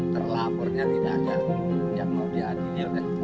terlapornya tidak ada yang mau diadil